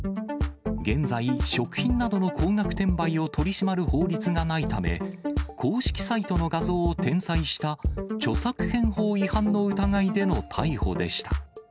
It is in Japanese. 現在、食品などの高額転売を取り締まる法律がないため、公式サイトの画像を転載した著作権法違反の疑いでの逮捕でした。